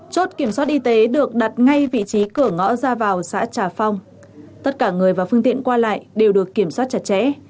chốt kiểm soát y tế được đặt ngay vị trí cửa ngõ ra vào xã trà phong tất cả người và phương tiện qua lại đều được kiểm soát chặt chẽ